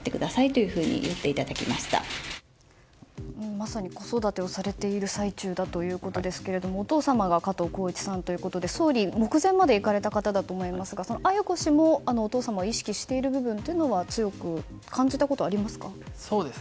まさに子育てをされている最中だというところですがお父様が加藤紘一さんということで総理目前まで行かれた方だと思いますが鮎子氏もお父様を意識している部分も強く感じたことはありますか？